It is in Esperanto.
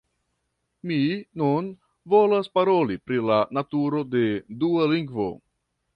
Mi nun volas paroli pri la naturo de dua lingvo.